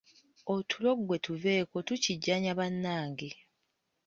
Otulo gwe tuveeko tukijjanya bannange.